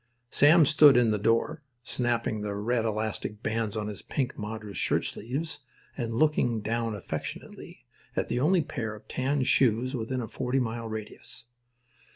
Sam stood in the door, snapping the red elastic bands on his pink madras shirtsleeves and looking down affectionately at the only pair of tan shoes within a forty mile radius.